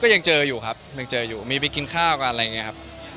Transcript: ยังเจออยู่ครับยังเจออยู่มีไปกินข้าวกันอะไรอย่างนี้ครับ